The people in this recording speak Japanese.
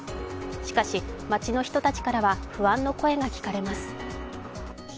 しかし、町の人たちからは不安の声が聞かれます。